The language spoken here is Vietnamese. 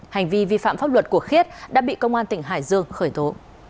hành vi vi phạm pháp luật của khiết đã bị công an tỉnh hải dương khởi tố